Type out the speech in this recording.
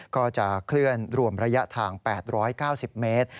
ก็จะเคลื่อนรวมระยะทาง๘๙๐เมตร